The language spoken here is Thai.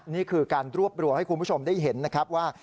นี่คือการรวบรวมให้คุณผู้ชมได้เห็นนะครับว่า